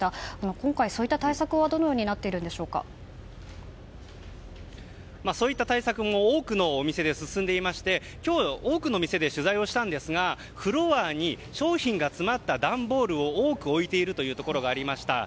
今回、そういった対策はそういった対策も多くのお店で進んでいまして今日、多くの店で取材をしたんですがフロアに商品が詰まった段ボールを多く置いているところがありました。